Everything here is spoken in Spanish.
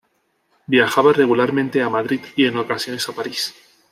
Viajaba regularmente a Madrid y en ocasiones a París.